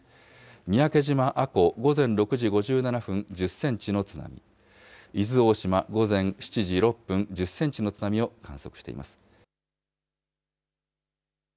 三宅島阿古、午前６時５７分、１０センチの津波、伊豆大島、午前７時６分、１０センチの津波を観測しています。